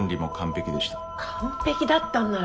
完璧だったんなら。